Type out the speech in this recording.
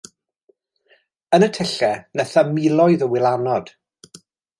Yn y tyllau nytha miloedd o wylanod.